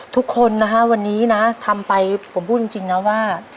ทุกคนนะฮะวันนี้นะทำไปผมพูดจริงนะว่า